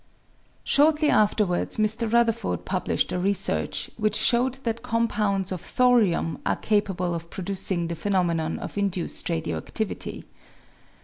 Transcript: Shortly afterwards, Mr. Rutherford published a research, which showed that compounds of thorium are capable of pro ducing the phenomenon of induced radio adivity.